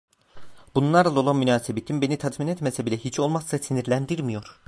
Bunlarla olan münasebetim beni tatmin etmese bile hiç olmazsa sinirlendirmiyor.